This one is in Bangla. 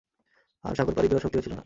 আর সাগর পাড়ি দেয়ার শক্তিও ছিল না।